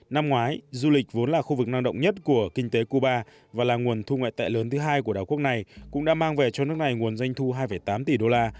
năm ngoái du lịch vốn là khu vực năng động nhất của kinh tế cuba và là nguồn thu ngoại tệ lớn thứ hai của đảo quốc này cũng đã mang về cho nước này nguồn doanh thu hai tám tỷ đô la